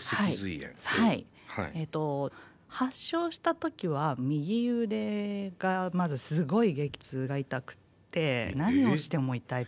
発症した時は右腕がまずすごい激痛が痛くて何をしても痛い。